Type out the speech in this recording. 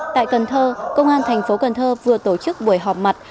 tại cần thơ công an thành phố cần thơ vừa tổ chức buổi họp mặt